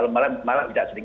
malah malam tidak sering